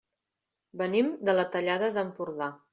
Venim de la Tallada d'Empordà.